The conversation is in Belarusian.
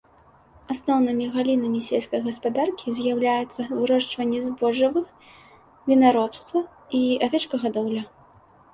Асноўнымі галінамі сельскай гаспадаркі з'яўляюцца вырошчванне збожжавых, вінаробства і авечкагадоўля.